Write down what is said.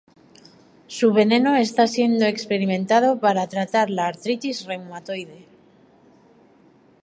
Su veneno está siendo experimentado para tratar la artritis reumatoide.